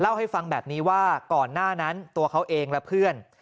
เล่าให้ฟังแบบนี้ว่าก่อนหน้านั้นตัวเขาเองและเพื่อน